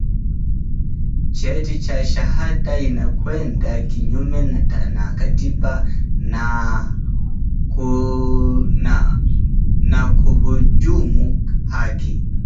cheti cha shahada inakwenda kinyume na katiba nakuhujumu haki